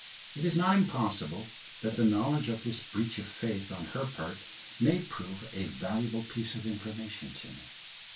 It is not impossible that the knowledge of this breach of faith on her part may prove a valuable piece of information to me.